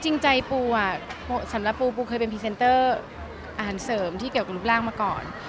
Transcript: จริงใจปูอ่ะสำหรับปูปูเคยเป็นพรีเซนเตอร์อาหารเสริมที่เกี่ยวกับรูปร่างมาก่อน